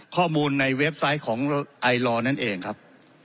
ข้อมูลในเว็บไซต์ของไอลอร์นั่นเองครับ